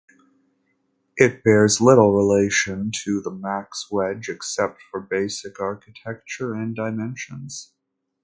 It bears little relation to the Max Wedge except for basic architecture and dimensions.